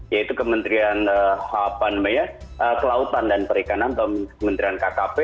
yaitu kementerian kelautan dan perikanan atau kementerian kkp